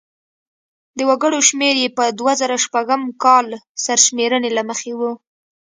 د وګړو شمېر یې په دوه زره شپږم کال سرشمېرنې له مخې و.